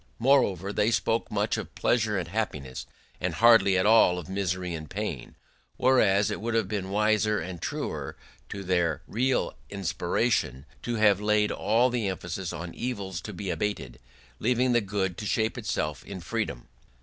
Moreover, they spoke much of pleasure and happiness, and hardly at all of misery and pain: whereas it would have been wiser, and truer to their real inspiration, to have laid all the emphasis on evils to be abated, leaving the good to shape itself in freedom.